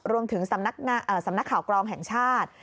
รวมถึงสำนักข่าวกรองแห่งชาติ